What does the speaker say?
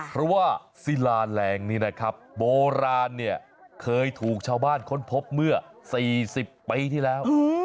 เพราะว่าศิลาแรงนี้นะครับโบราณเนี่ยเคยถูกชาวบ้านค้นพบเมื่อ๔๐ปีที่แล้ว